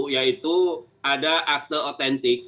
yaitu ada akte autentik